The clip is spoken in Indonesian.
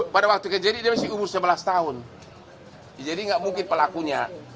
pada waktu kejadian dia masih umur sebelas tahun jadi nggak mungkin pelakunya